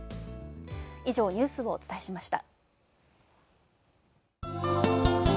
ニュースをお伝えしました。